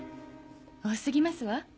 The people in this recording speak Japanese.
多過ぎますわ。